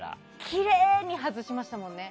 きれいに外しましたものね。